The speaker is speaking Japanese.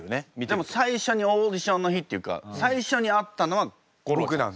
でも最初にオーディションの日っていうか最初に会ったのは吾郎くん。